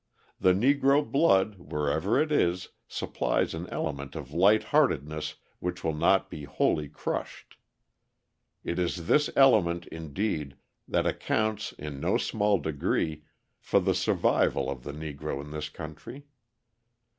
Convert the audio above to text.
The Negro blood, wherever it is, supplies an element of light heartedness which will not be wholly crushed. It is this element, indeed, that accounts in no small degree for the survival of the Negro in this country.